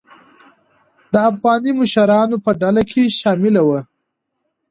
د افغاني مشرانو په ډله کې شامله وه.